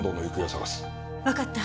わかった。